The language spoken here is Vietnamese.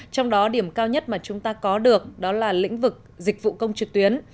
trong đó điểm cao nhất mà chúng ta có được đó là lĩnh vực dịch vụ công trực tuyến